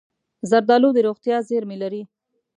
زردالو د روغتیا زېرمې لري.